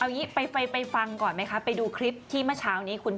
เอาอย่างนี้ไปฟังก่อนไหมไปดูคลิปที่มาเช้านี้